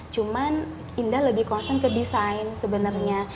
cuman indah lebih concern ke desain sebenarnya